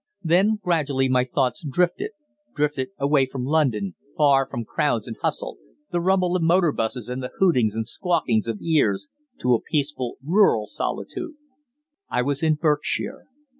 Then gradually my thoughts drifted drifted away from London, far from crowds and hustle, the rumble of motor 'buses and the hootings and squawkings of ears, to a peaceful, rural solitude. I was in Berkshire.